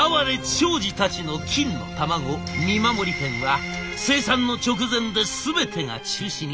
長司たちの金の卵見守りペンは生産の直前で全てが中止に。